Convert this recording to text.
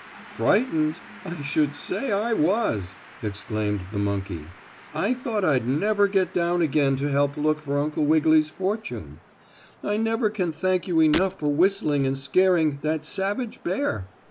"Frightened? I should say I was!" exclaimed the monkey. "I thought I'd never get down again to help look for Uncle Wiggily's fortune. I never can thank you enough for whistling and scaring that savage bear.